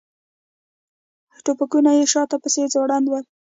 ټوپکونه یې شاته پسې ځوړند ول.